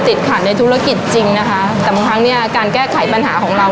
ติดขัดในธุรกิจจริงนะคะแต่บางครั้งเนี่ยการแก้ไขปัญหาของเรา